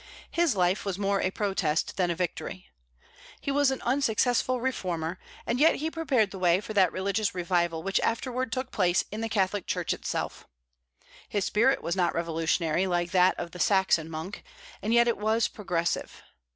His life was more a protest than a victory. He was an unsuccessful reformer, and yet he prepared the way for that religious revival which afterward took place in the Catholic Church itself. His spirit was not revolutionary, like that of the Saxon monk, and yet it was progressive.